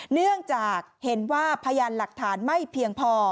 เนื่องจากเห็นว่าพยานหลักฐานไม่เพียงพอ